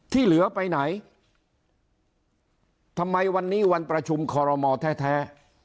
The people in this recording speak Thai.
ที่เหลือไปไหนทำไมวันนี้วันประชุมคอรมอแท้